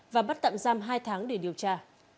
và bắt tạm giam hai tháng để điều tra